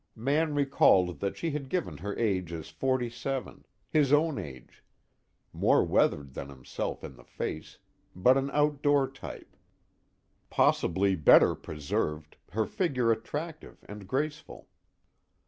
Mann recalled that she had given her age as forty seven; his own age; more weathered than himself in the face, but an outdoor type, possibly better preserved, her figure attractive and graceful.